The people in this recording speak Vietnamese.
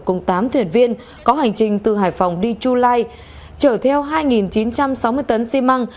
cùng tám thuyền viên có hành trình từ hải phòng đi chu lai chở theo hai chín trăm sáu mươi tấn xi măng